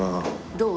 どう？